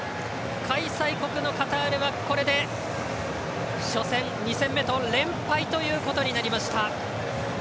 開催国のカタールはこれで初戦、２戦目と連敗ということになりました。